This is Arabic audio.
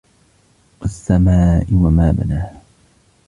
وَالسَّمَاءِ وَمَا بَنَاهَا